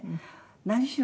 何しろ